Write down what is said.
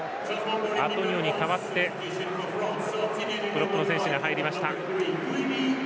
アトニオに代わってプロップの選手が入りました。